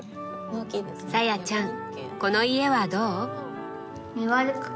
紗也ちゃんこの家はどう？